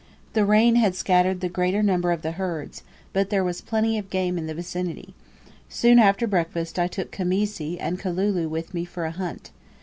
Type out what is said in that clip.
The rain had scattered the greater number of the herds, but there was plenty of game in the vicinity. Soon after breakfast I took Khamisi and Kalulu with me for a hunt.